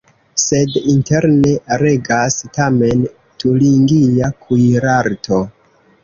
Sed interne regas tamen turingia kuirarto.